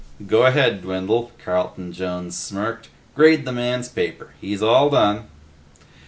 "Go ahead, Dwindle," Carlton Jones smirked. "Grade the man's paper. He's all done."